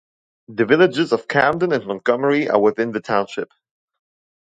The villages of Camden and Montgomery are within the township.